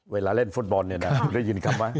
เวลาเล่นฟุตบอลได้ยินคำว่า